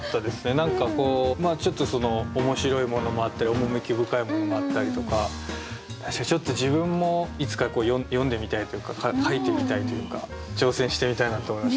何かこうちょっと面白いものもあったり趣深いものもあったりとかちょっと自分もいつか詠んでみたいというか書いてみたいというか挑戦してみたいなと思いました。